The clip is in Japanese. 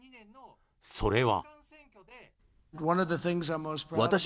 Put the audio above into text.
それは。